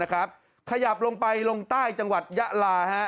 ขยับลงไปลงใต้จังหวัดยะลา